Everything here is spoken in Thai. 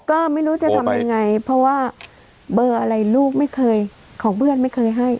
ก็ไม่รู้จะทำยังไงเพราะว่าเบอร์อะไรลูกไม่เคยของเพื่อนไม่เคยให้